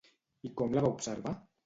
I com la va observar?